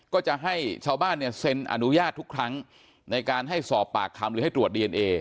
ก็จะให้ชาวบ้านเนี่ยเซ็นอนุญาตทุกครั้งในการให้สอบปากคำหรือให้ตรวจดีเอนเอ